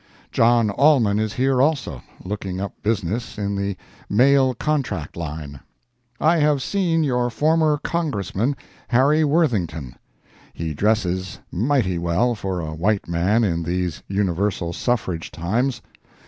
John Allman is here also, looking up business in the mail contract line. I have seen your former Congressman, Harry Worthington. He dresses mighty well for a white man in these universal suffrage times.